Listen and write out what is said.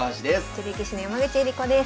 女流棋士の山口恵梨子です。